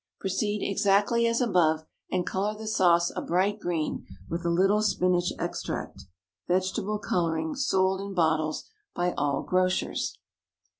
Proceed exactly as above and colour the sauce a bright green with a little spinach extract (vegetable colouring, sold in bottles by all grocers).